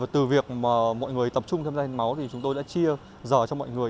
từ việc mọi người tập trung tham gia hiến máu thì chúng tôi đã chia giờ cho mọi người